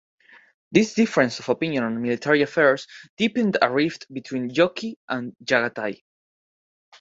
This difference of opinion on military affairs deepened a rift between Jochi and Chagatai.